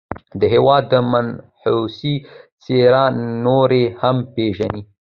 د هېواد منحوسي څېرې نورې هم وپېژني.